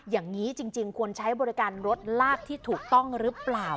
อย่างนี้จริงควรใช้บริการรถลากที่ถูกต้องหรือเปล่า